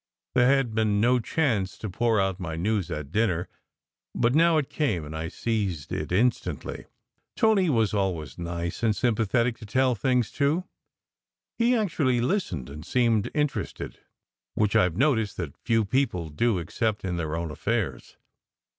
There had been no chance to pour out my news at dinner, but now it came and I seized it instantly. Tony was always nice and sympathetic to tell things to! He actually listened and seemed interested, which I ve noticed that few people do except in their own affairs.